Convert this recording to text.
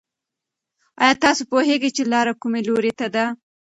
ایا تاسې پوهېږئ چې لاره کوم لوري ته ده؟